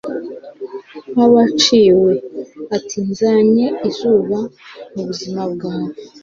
nk'abaciwe. ati nzanye izuba mubuzima bwe